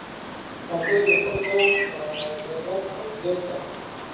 کاکړي د خپل قوم غیرت او عزت ساتي.